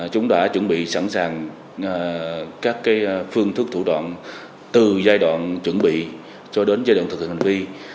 chúng đã chuẩn bị sẵn sàng các phương thức thủ đoạn từ giai đoạn chuẩn bị cho đến giai đoạn thực hiện hành vi